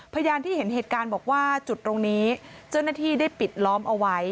พยานที่เห็นเหตุการณ์บอกว่าจุดตรงนี้เจ้าหน้าที่ได้ปิดล้อมเอาไว้